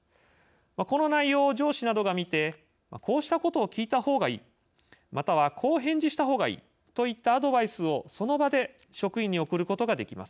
この内容を上司などが見て「こうしたことを聞いた方がいい」または「こう返事したほうがいい」といったアドバイスを、その場で職員に送ることができます。